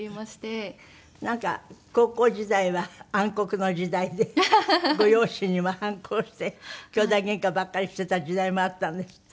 なんか高校時代は暗黒の時代でご両親にも反抗をして姉妹ゲンカばっかりしていた時代もあったんですって？